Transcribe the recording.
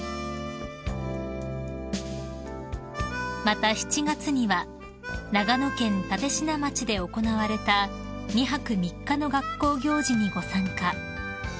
［また７月には長野県立科町で行われた２泊３日の学校行事にご参加］